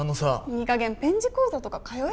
いいかげんペン字講座とか通えば？